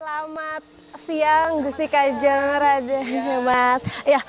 selamat siang gusti kajang radenjumas